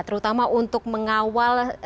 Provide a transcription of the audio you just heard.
terutama untuk mengawal